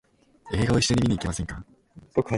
映画を一緒に見に行きませんか？